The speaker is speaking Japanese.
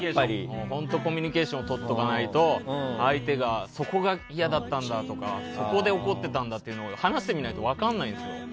本当にコミュニケーションをとらないと、相手がそこが嫌だったんだとかそこで怒ってたんだっていうのは話してみないと分からないんですよ。